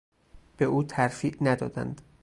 به او ترفیع ندادند.